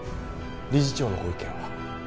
理事長のご意見は？